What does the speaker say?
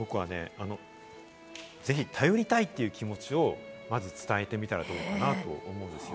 ぜひ頼りたいという気持ちをまず伝えてみたらどうかなと思うんですよ。